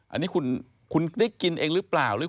อันนี้คุณได้กินเองหรือเปล่า